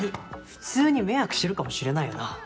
普通に迷惑してるかもしれないよな。